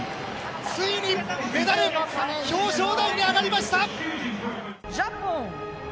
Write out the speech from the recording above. ついにメダル表彰台に上がりました！